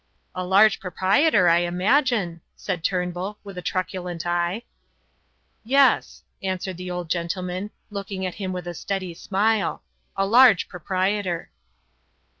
"A large proprietor, I imagine," said Turnbull, with a truculent eye. "Yes," answered the old gentleman, looking at him with a steady smile. "A large proprietor."